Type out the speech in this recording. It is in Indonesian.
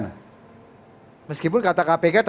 meskipun kata kpk itu tidak ada hal halang halangi proses hukum